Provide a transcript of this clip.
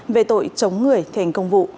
về tội chống người thành công vụ